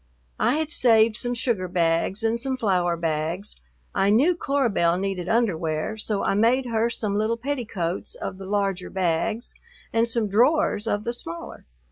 I had saved some sugar bags and some flour bags. I knew Cora Belle needed underwear, so I made her some little petticoats of the larger bags and some drawers of the smaller.